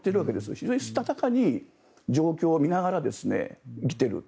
非常にしたたかに状況を見ながら生きていると。